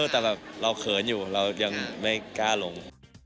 แต่แบบเราเขินอยู่เรายังไม่กล้าลง